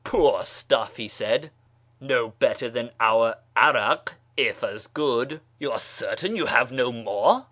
" Poor stuff," he said —" no better than our 'arak, if as good. You are certain you have no more